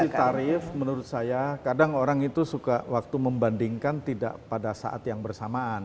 dari sisi tarif menurut saya kadang orang itu suka waktu membandingkan tidak pada saat yang bersamaan